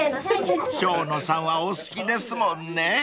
［生野さんはお好きですもんね］